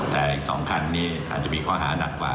แต่อีก๒คันนี้อาจจะมีข้อหานักกว่า